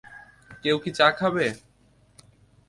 কেউ কি চা খাবে?